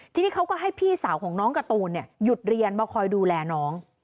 ทีนี้เขาก็ให้พี่สาวของน้องการ์ตูนหยุดเรียนมาคอยดูแลน้อง